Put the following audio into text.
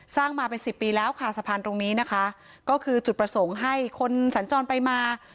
มาเป็นสิบปีแล้วค่ะสะพานตรงนี้นะคะก็คือจุดประสงค์ให้คนสัญจรไปมา